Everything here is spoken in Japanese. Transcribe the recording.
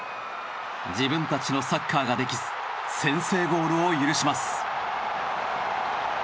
自分たちのサッカーができず先制ゴールを許します。